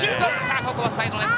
ここはサイドネット。